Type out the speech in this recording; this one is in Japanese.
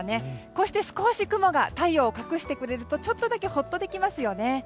こうして少し雲が太陽を隠してくれるとちょっとだけほっとできますよね。